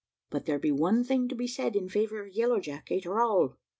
But there be one thing to be said in favour of Yellow Jack, a'ter all.